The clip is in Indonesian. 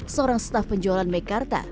seorang staf penjualan mekarta